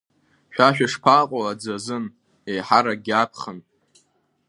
Шәа шәышԥаҟоу аӡы азын, еиҳаракгьы аԥхын?